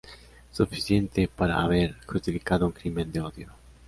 Suficiente para haber justificado un crimen de odio.